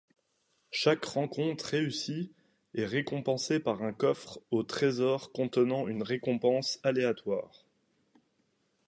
Chaque rencontre réussie est récompensée par un coffre au trésor contenant une récompense aléatoire.